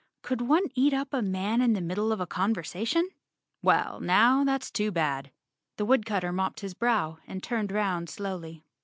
Could one eat up a man in the middle of a conversation? "Well, now that's too bad." The woodcutter mopped his brow and turned 'round slowly.